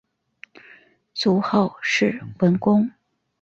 卒后谥文恭。